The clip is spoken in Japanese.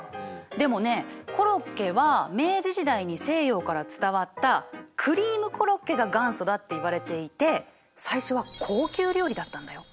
でもねコロッケは明治時代に西洋から伝わったクリームコロッケが元祖だっていわれていて最初は高級料理だったんだよ。